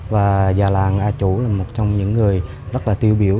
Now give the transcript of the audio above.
và già làng a chủ là một trong những người rất là tiêu biểu